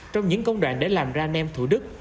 trong những công đoạn để làm ra nem thủ đức